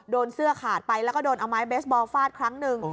เสื้อขาดไปแล้วก็โดนเอาไม้เบสบอลฟาดครั้งหนึ่ง